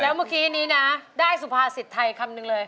แล้วเมื่อกี้นี้นะได้สุภาษิตไทยคำนึงเลย